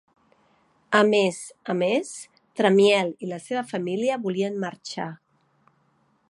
A més a m's, Tramiel i la seva família volien marxar.